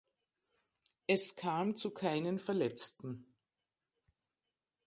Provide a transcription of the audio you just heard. Es kam zu keinen Verletzten.